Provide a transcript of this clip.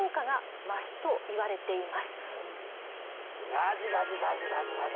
ガジガジガジガジガジ。